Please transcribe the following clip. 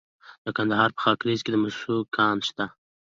د کندهار په خاکریز کې د مسو کان شته.